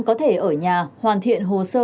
có thể ở nhà hoàn thiện hồ sơ